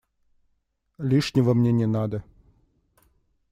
Лишнего мне не надо.